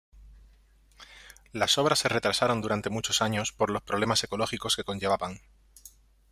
Las obras se retrasaron durante muchos años por los problemas ecológicos que conllevaban.